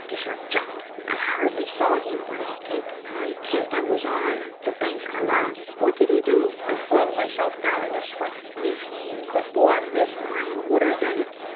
Dishart jumped; I hardly saw him, but I kent, I kent, for I was on the bank alane. What did I do? I flung mysel* down in a sweat, and if een could bore mist mine would hae done it.